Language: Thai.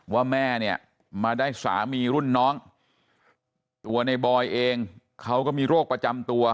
ว่าแม่เนี่ยมาได้สามีรุ่นน้องตัวในบอยเองเขาก็มีโรคประจำตัว